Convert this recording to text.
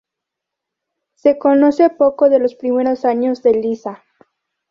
Se conoce poco de los primeros años de Lisa.